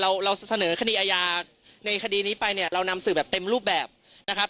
เราเราเสนอคดีอาญาในคดีนี้ไปเนี่ยเรานำสื่อแบบเต็มรูปแบบนะครับ